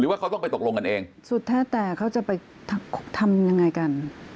ว่าเขาต้องไปตกลงกันเองสุดแท้แต่เขาจะไปทำยังไงกัน